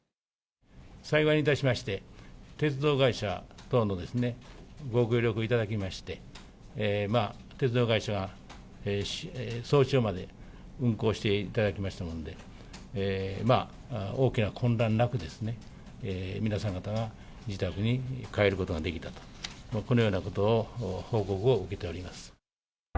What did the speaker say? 幸いにいたしまして、鉄道会社等のご協力をいただきまして、鉄道会社が早朝まで運行していただきましたもので、大きな混乱なく、皆さん方が自宅に帰ることができたと、このようなことを報告を受けております。